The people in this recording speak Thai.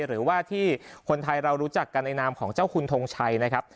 หรือว่าที่คนไทยเรารู้จักกันในนามของเจ้าคุณทงชัยนะครับ